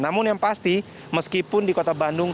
namun yang pasti meskipun di kota bandung